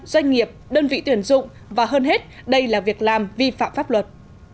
doanh nghiệp đơn vị tuyển dụng và hơn hết đây là việc làm vi phạm pháp luật